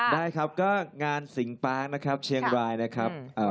ได้ครับก็งานสิงปางนะครับเชียงรายนะครับ